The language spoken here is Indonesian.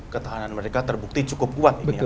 ketahanan mereka terbukti cukup kuat ini